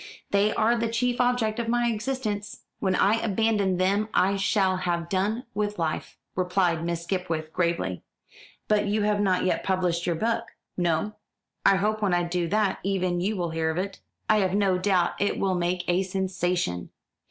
"They are the chief object of my existence. When I abandon them I shall have done with life," replied Miss Skipwith gravely. "But you have not yet published your book." "No; I hope when I do that even you will hear of it." "I have no doubt it will make a sensation."